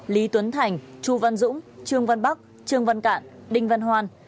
lý tuấn thành chu văn dũng trương văn bắc trương văn cạn đinh văn hoan